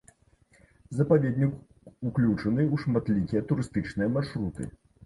Запаведнік уключаны ў шматлікія турыстычныя маршруты.